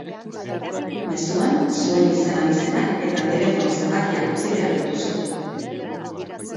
Mezuan, zuen izen-abizenak eta telefono-zenbakiak utzi behar dituzue.